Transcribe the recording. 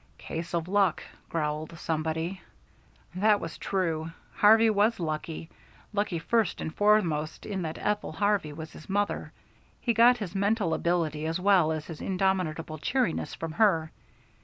"Case of luck," growled somebody. That was true. Harvey was lucky; lucky first and foremost in that Ethel Harvey was his mother. He got his mental agility as well as his indomitable cheeriness from her.